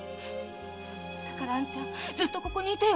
だから兄ちゃんずっとここに居てよ。